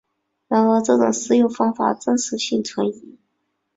然而这种食用方法真实性存疑。